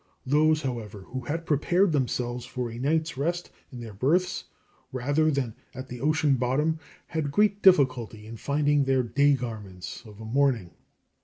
Those, however, who prepared themselves for a night's rest in their berths rather than at the ocean bottom, had great difficulty in finding their day garments of a morning.